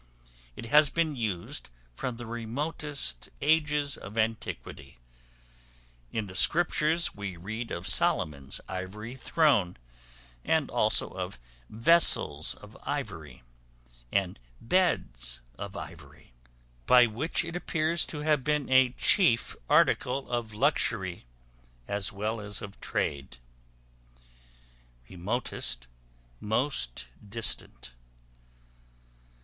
It has been used from the remotest ages of antiquity; in the Scriptures we read of Solomon's ivory throne, and also of "vessels of ivory," and "beds of ivory:" by which it appears to have been a chief article of luxury, as well as of trade. Remotest, most distant.